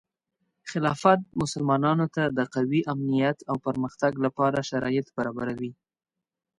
خلافت مسلمانانو ته د قوي امنیت او پرمختګ لپاره شرایط برابروي.